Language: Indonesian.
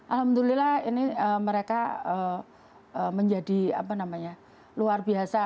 alhamdulillah ini mereka menjadi apa namanya luar biasa